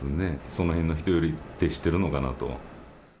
そのへんの人より徹してるのかなと。